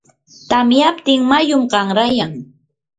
tamyaptin mayum qanrayan.